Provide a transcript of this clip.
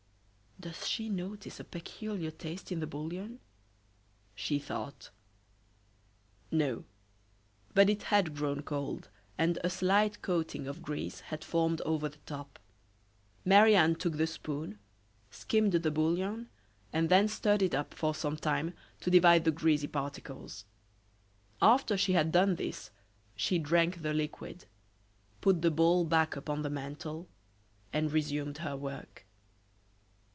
"Does she notice a peculiar taste in the bouillon?" she thought. No; but it had grown cold, and a slight coating of grease had formed over the top. Marie Anne took the spoon, skimmed the bouillon, and then stirred it up for some time, to divide the greasy particles. After she had done this she drank the liquid, put the bowl back upon the mantel, and resumed her work.